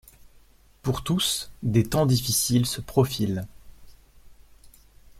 Pour tous, des temps difficiles se profilent.